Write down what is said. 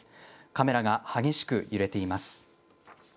カメラが激しく揺れています。